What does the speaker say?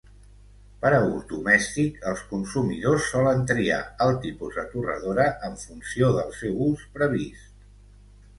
Per a ús domèstic, els consumidors solen triar el tipus de torradora en funció del seu ús previst.